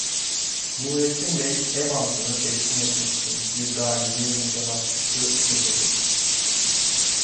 Nurettin bey, ev halkını teskin etmek için bir dahiliye mütehassısı getirdi.